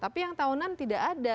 tapi yang tahunan tidak ada